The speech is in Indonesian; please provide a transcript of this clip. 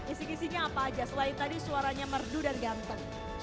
isi kisinya apa aja selain tadi suaranya merdu dan ganteng